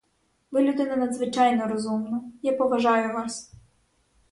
Ви людина надзвичайно розумна, я поважаю вас.